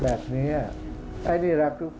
ภาคอีสานแห้งแรง